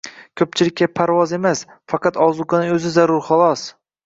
Ko‘pchilikka parvoz emas, faqat ozuqaning o‘zi zarur, xolos.